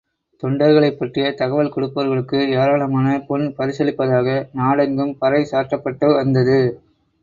தொண்டர்களைப் பற்றிய தகவல் கொடுப்பவர்களுக்கு ஏராளமான பொன் பரிசளிப்பதாக நடெங்கும் பறைசாற்றப்பட்டு வந்தது.